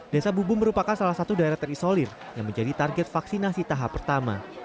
desa bubu merupakan salah satu daerah terisolir yang menjadi target vaksinasi tahap pertama